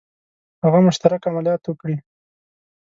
هغه مشترک عملیات وکړي.